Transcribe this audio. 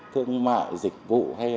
thương mại dịch vụ